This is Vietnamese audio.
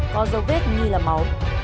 có dấu vết như là máu